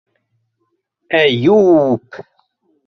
Әйү-ү-үп...